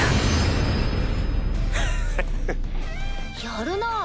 やるなぁ